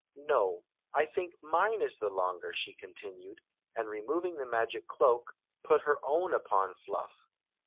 " No, I think mine is the longer," she continued ; and re moving the magic cloak, put her own upon Fluff.